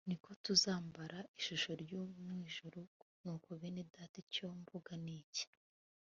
niko tuzambara ishusho y'uw'ijuru nuko bene data icyo mvuga ni iki